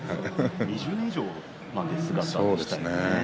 ２０年以上まげ姿でしたね。